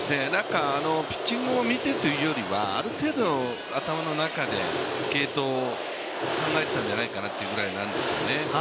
ピッチングを見てというよりは、ある程度頭の中で継投を考えてたんじゃないかなというぐらいなんですよね。